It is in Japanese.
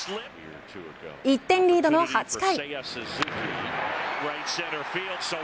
１点リードの８回。